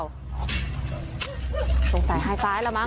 ต้องใส่ไฮไฟล์ละมัน